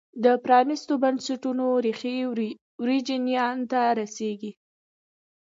د پرانیستو بنسټونو ریښې په ویرجینیا ته رسېږي.